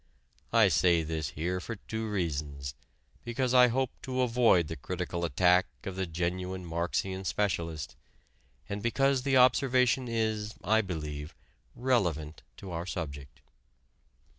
I say this here for two reasons because I hope to avoid the critical attack of the genuine Marxian specialist, and because the observation is, I believe, relevant to our subject.